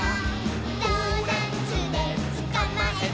「ドーナツでつかまえた！」